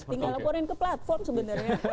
tinggal laporin ke platform sebenarnya